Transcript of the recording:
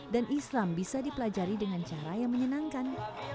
dan islam bisa dipelajari dengan cara yang menyenangkan